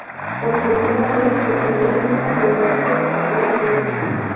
Por primera vez se jugó un campeonato a tres vueltas.